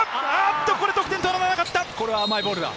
これは得点とはならなかった。